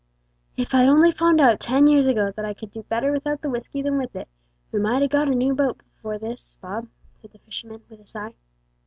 "If I'd only found out ten years ago that I could do better without the whisky than with it, we might ha' got a new boat afore this, Bob," said the fisherman, with a sigh.